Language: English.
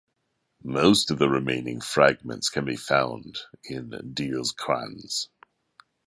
Most of the remaining fragments can be found in Diels-Kranz.